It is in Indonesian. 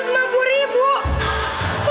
kok ada duit nggak